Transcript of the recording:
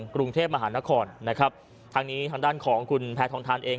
กรุงเทพมหานครนะครับทางนี้ทางด้านของคุณแพทองทานเอง